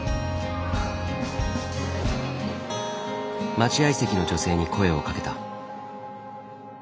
待ち合い席の女性に声をかけた。